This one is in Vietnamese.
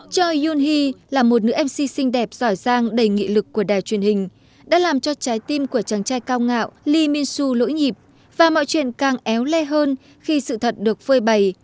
choi yoon hee là một nữ mc xinh đẹp giỏi giang đầy nghị lực của đài truyền hình đã làm cho trái tim của chàng trai cao ngạo lee min soo lỗi nhịp và mọi chuyện càng éo le hơn khi sự thật được phơi bày